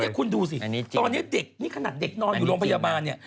นี่คุณดูสิตอนนี้เด็กนี่ขนาดเด็กนอนอยู่โรงพยาบาลเนี่ย